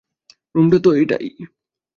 রুমটা তো এটাই।